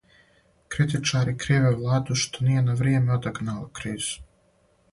Критичари криве владу што није на вријеме одагнала кризу.